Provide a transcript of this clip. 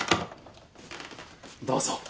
どうぞ。